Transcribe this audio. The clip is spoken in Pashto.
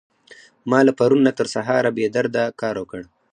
ما له پرون نه تر سهاره بې درده کار وکړ.